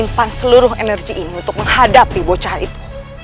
dan menyimpan seluruh energi ini untuk menghadapi bocah itu